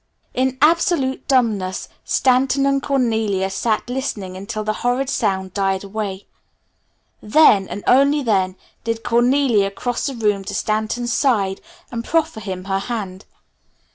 In absolute dumbness Stanton and Cornelia sat listening until the horrid sound died away. Then, and then only, did Cornelia cross the room to Stanton's side and proffer him her hand.